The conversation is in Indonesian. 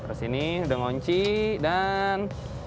terus ini udah ngunci dan